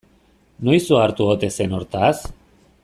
Noiz ohartu ote zen hortaz?